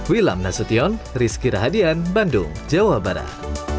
wilam nasution rizky rahadian bandung jawa barat